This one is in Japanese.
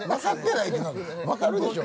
分かるでしょう？